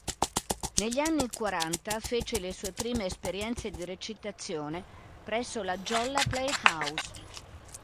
Negli anni quaranta, fece le sue prime esperienze di recitazione presso La Jolla Playhouse.